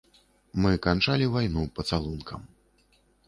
Мы канчалі вайну пацалункам.